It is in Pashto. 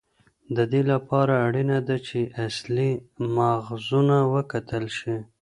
د دې لپاره اړینه ده چې اصلي ماخذونه وکتل شي.